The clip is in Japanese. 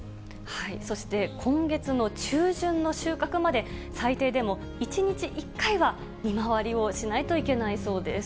そして、今月の中旬の収穫まで、最低でも１日１回は見回りをしないといけないそうです。